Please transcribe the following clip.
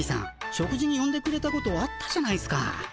食事によんでくれたことあったじゃないっすか。